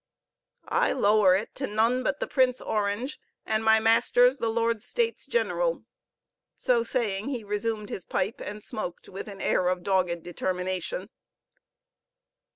"I lower it to none but the Prince Orange and my masters, the Lords States General." So saying, he resumed his pipe and smoked with an air of dogged determination.